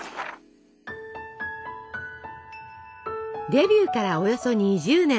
デビューからおよそ２０年。